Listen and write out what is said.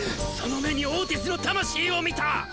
その目にオーティスの魂を見た！